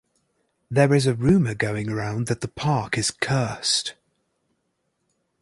There is a rumor going around that the park is cursed.